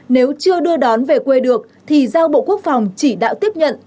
nếu chưa đưa đón về quê được thì giao bộ quốc phòng chỉ đạo tiếp nhận